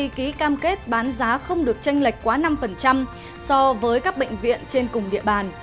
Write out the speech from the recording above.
ký cam kết bán giá không được tranh lệch quá năm so với các bệnh viện trên cùng địa bàn